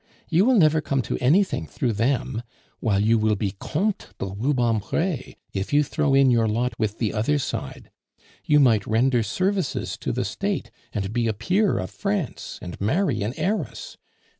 You will never come to anything through them, while you will be Comte de Rubempre if you throw in your lot with the other side. You might render services to the State, and be a peer of France, and marry an heiress.